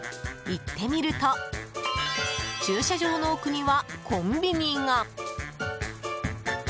行ってみると駐車場の奥にはコンビニが。